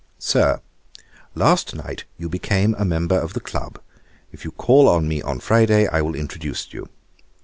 'Sir, 'Last night you became a member of the club; if you call on me on Friday, I will introduce you.